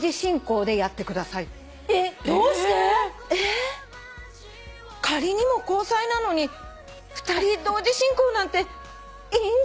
えっどうして？えっ仮にも交際なのに２人同時進行なんていいんですか？